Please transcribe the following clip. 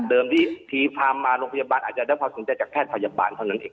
เดิมที่ถูกพามาโรคพยาบาลอาจจะได้ความสนใจจากแพทยาบาลเท่านั้นอีก